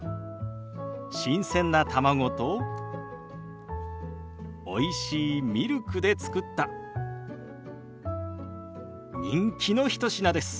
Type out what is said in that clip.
新鮮な卵とおいしいミルクで作った人気の一品です。